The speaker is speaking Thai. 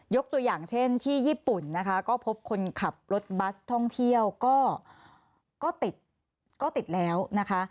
ตัวอย่างเช่นที่ญี่ปุ่นนะคะก็พบคนขับรถบัสท่องเที่ยวก็ติดก็ติดแล้วนะคะ